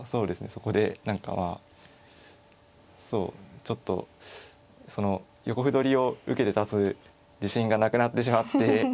そこで何かまあそうちょっとその横歩取りを受けて立つ自信がなくなってしまって。